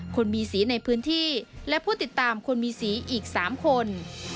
คนมีสีในพื้นที่และผู้ติดตามคนมีสีอีก๓คน